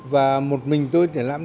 và một mình tôi truyền lãm